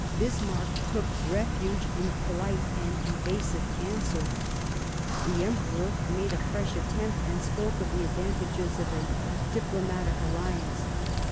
Bismarck took refuge in a polite and evasive answer. The Emperor made a fresh attempt, and spoke of the advantages of a " Diplomatic Alliance."